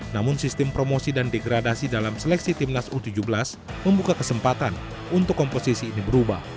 namun sistem promosi dan degradasi dalam seleksi timnas u tujuh belas membuka kesempatan untuk komposisi ini berubah